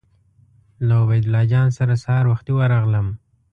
له عبیدالله جان سره سهار وختي ورغلم.